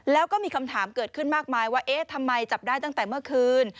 แล้วก็มีคำถามเกิดขึ้นมากมายว่าเอ๊ะทำไมจับได้ตั้งแต่เมื่อคืน